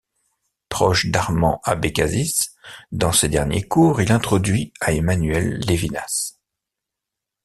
Proche d’Armand Abécassis, dans ses derniers cours, il introduit à Emmanuel Levinas.